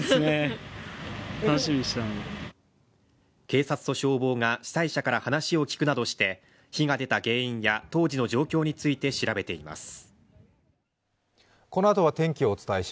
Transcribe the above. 警察と消防が主催者から話を聞くなどして火が出た原因や当時の状況について調べています。